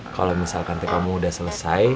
kalo misalkan teh kamu udah selesai